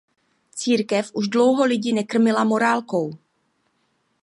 Církev už dlouho lidi nekrmila morálkou.